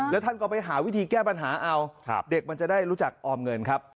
แล้วท่านก็ไปหาวิธีแก้ปัญหาเอาเด็กมันจะได้รู้จักออมเงินครับ